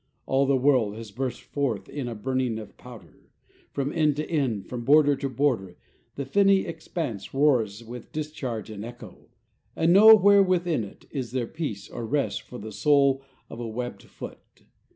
All the world has burst forth in a burning of powder. From end to end, from border to border, the fenny expanse roars with discharge and echo, and nowhere within it is there peace or rest for the sole of a webbed foot.